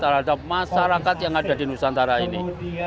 terhadap masyarakat yang ada di nusantara ini